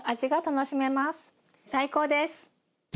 最高です。